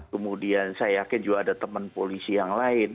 kemudian saya yakin juga ada teman polisi yang lain